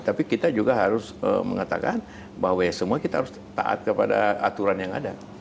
tapi kita juga harus mengatakan bahwa semua kita harus taat kepada aturan yang ada